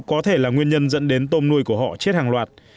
có thể là nguyên nhân dẫn đến tôm nuôi của họ chết hàng loạt